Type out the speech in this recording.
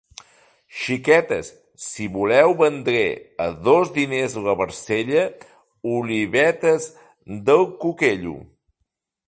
Xiquetes, si voleu vendré, a dos diners la barcella, olivetes del cuquello.